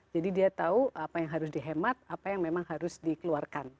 jadi dia tahu apa yang harus dihemat apa yang memang harus dikeluarkan